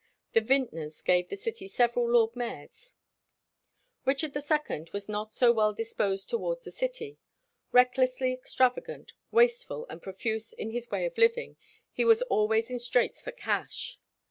The vintners gave the city several lord mayors. Richard II was not so well disposed towards the city. Recklessly extravagant, wasteful and profuse in his way of living, he was always in straits for cash.